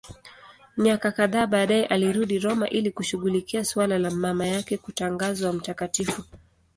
Miaka kadhaa baadaye alirudi Roma ili kushughulikia suala la mama yake kutangazwa mtakatifu.